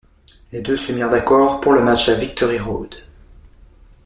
Les deux se mirent d'accord pour le match à Victory Road.